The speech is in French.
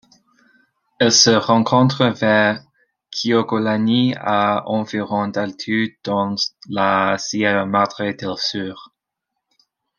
Elle se rencontre vers Quiogolani à environ d'altitude dans la Sierra Madre del Sur.